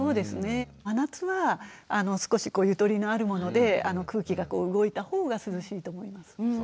真夏は少しゆとりのあるもので空気が動いた方が涼しいと思います。